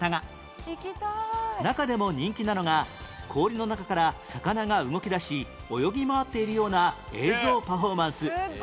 中でも人気なのが氷の中から魚が動きだし泳ぎ回っているような映像パフォーマンス